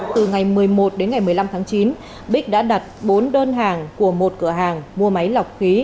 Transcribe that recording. từ ngày một mươi một đến ngày một mươi năm tháng chín bích đã đặt bốn đơn hàng của một cửa hàng mua máy lọc khí